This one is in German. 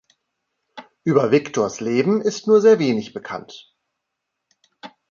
Über Victors Leben ist nur sehr wenig bekannt.